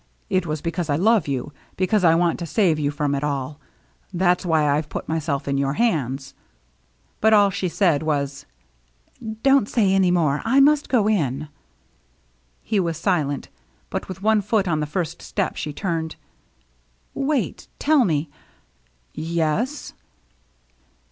It was because I love you, because I want to save you from it all, — that's why I've put myself in your hands." But all she said was, " Don't say any more ; I must go in." He was silent. But with one foot on the first step, she turned. " Wait, tell me —" "Yes?"